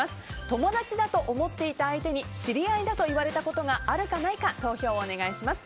友達だと思っていた相手に知り合いだといわれたことがあるかないか投票をお願いします。